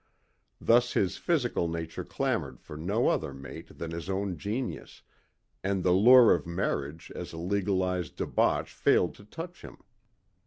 Thus his physical nature clamored for no other mate than his own genius, and the lure of marriage as a legalized debauch failed to touch him.